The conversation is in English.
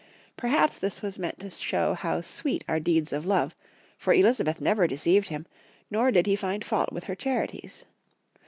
Perhaps this was meant to show how sweet are deeds of love, for Elizabeth never deceived him, nor did he find fault with her charities.